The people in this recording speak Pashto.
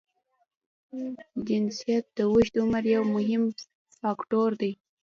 جنسیت د اوږد عمر یو مهم فاکټور دی.